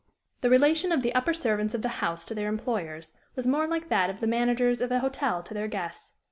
The relation of the upper servants of the house to their employers was more like that of the managers of an hotel to their guests.